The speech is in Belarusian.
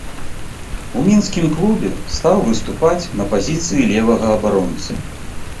У мінскім клубе стаў выступаць на пазіцыі левага абаронцы.